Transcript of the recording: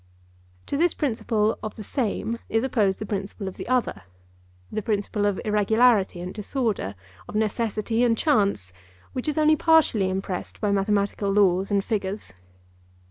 To this principle of the same is opposed the principle of the other—the principle of irregularity and disorder, of necessity and chance, which is only partially impressed by mathematical laws and figures.